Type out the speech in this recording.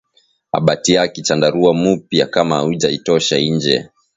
Abatiaki chandarua mupya kama auja itosha inje